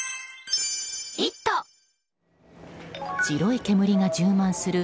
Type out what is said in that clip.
白い煙が充満する